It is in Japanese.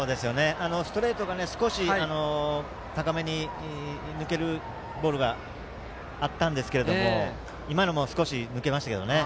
ストレートが少し高めに抜けるボールがあったんですけど今のも少し抜けましたね。